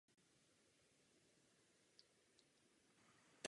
Pozůstatky dnes tvoří střed přírodní rezervace.